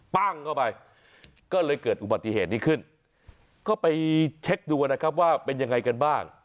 ปั้งเข้าไปก็เลยเกิดอุบัติเหตุนี้ขึ้นก็ไปเช็คดูนะครับว่าเป็นยังไงกันบ้าง